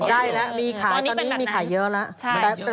ได้แล้วมีขายตอนนี้มีขายเยอะแล้ว